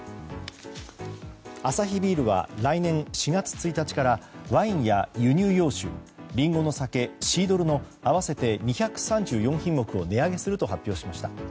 アサヒビールは来年４月１日からワインや輸入洋酒リンゴの酒、シードルの合わせて２３４品目を値上げすると発表しました。